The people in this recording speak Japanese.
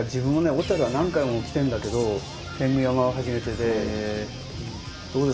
小は何回も来てるんだけど天狗山は初めてで。